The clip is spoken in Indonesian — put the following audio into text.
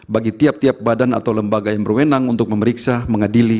bagi tiap tiap badan atau lembaga yang berwenang untuk memeriksa mengadili